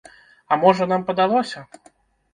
А можа, нам падалося?